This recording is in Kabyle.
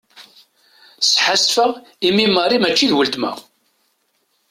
Sḥassfeɣ imi Mary mačči d uletma.